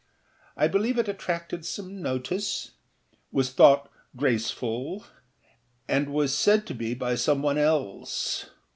I believe it attracted some notice, was thought âgracefulâ and was said to be by some one else.